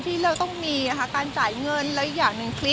เพราะว่าเขาไม่อยากฟ้องเขาไม่อยากฟึ่งสารอะไรอย่างนี้